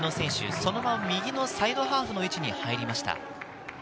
そのまま右のサイドハーフの位置に入りました。